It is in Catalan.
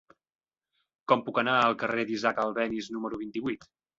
Com puc anar al carrer d'Isaac Albéniz número vint-i-vuit?